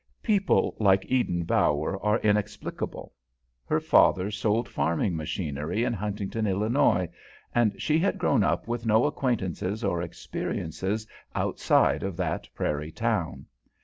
People like Eden Bower are inexplicable. Her father sold farming machinery in Huntington, Illinois, and she had grown up with no acquaintances or experiences outside of that prairie town.